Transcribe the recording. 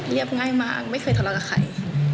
เรียบง่ายมากไม่เคยทะเลากับใคร